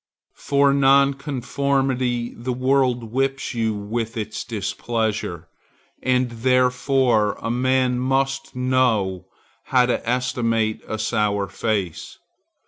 For nonconformity the world whips you with its displeasure. And therefore a man must know how to estimate a sour face.